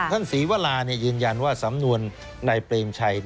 ศรีวรายืนยันว่าสำนวนนายเปรมชัย